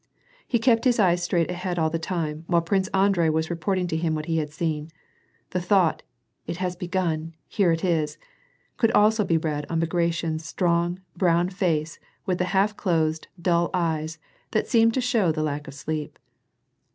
He kept his eyes straight ahead all the time, while Prince Andrei was reporting to him what he had seen. The thought, if has begun; here if is / could also be read on Bagration's strong, brown face with the half closed, dull eyes, that seemed to show the lack of sleep.